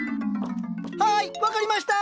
はい分かりました！